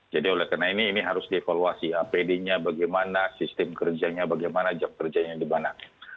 jadi oleh karena ini ini harus dievaluasi apd nya bagaimana sistem kerjanya bagaimana jam kerjanya di mana